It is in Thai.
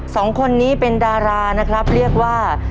สองคนนี้เป็นดารานะครับเรียกว่า